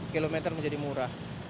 kilometer menjadi murah